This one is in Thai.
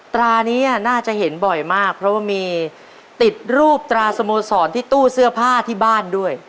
ตรานี้น่าจะเห็นบ่อยมากเพราะว่ามีติดรูปตราสโมสรที่ตู้เสื้อผ้าที่บ้านด้วย